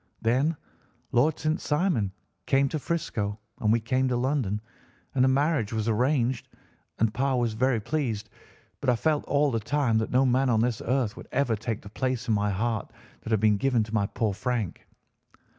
Then Lord St. Simon came to 'Frisco, and we came to London, and a marriage was arranged, and Pa was very pleased, but I felt all the time that no man on this earth would ever take the place in my heart that had been given to my poor Frank.